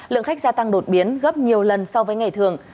lượng khách gia tăng đột biến gấp nhiều lần so với ngày thường